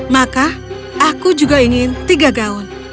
maka aku juga ingin tiga gaun